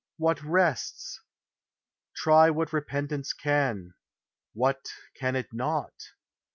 what rests? Try what repentance can: what can it not?